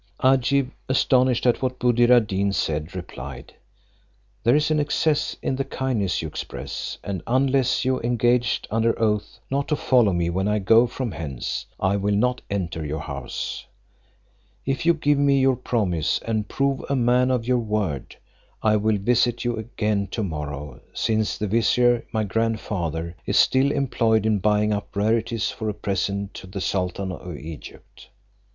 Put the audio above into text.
Agib, astonished at what Buddir ad Deen said, replied: "There is an excess in the kindness you express, and unless you engage under oath not to follow me when I go from hence, I will not enter your house. If you give me your promise, and prove a man of your word, I will visit you again to morrow, since the vizier my grandfather, is still employed in buying up rarities for a present to the sultan of Egypt."